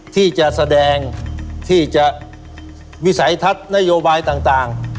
ที่จะแสดงที่จะวิสัยทัศน์นโยบายต่าง